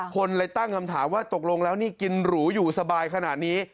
คนเลยตั้งคำถามว่าตกลงแล้วนี่กินหรูอยู่สบายขนาดนี้